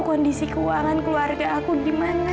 kondisi keuangan keluarga aku gimana